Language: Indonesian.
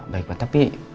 baik pak tapi